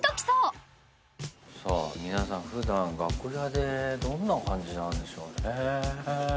さあ皆さん普段楽屋でどんな感じなんでしょうね？